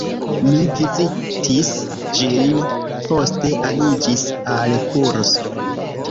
Mi vizitis ĝin, poste aliĝis al kurso.